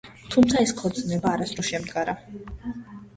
თუმცა ეს ქორწინება არასდროს შემდგარა.